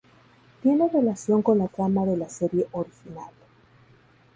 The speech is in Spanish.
Tiene relación con la trama de la serie original.